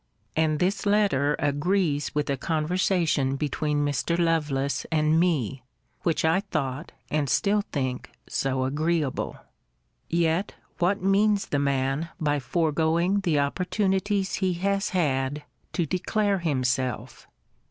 And this letter agrees with the conversation between Mr. Lovelace and me, which I thought, and still think, so agreeable.* Yet what means the man by foregoing the opportunities he has had to declare himself?